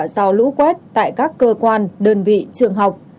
do lũ quét tại các cơ quan đơn vị trường học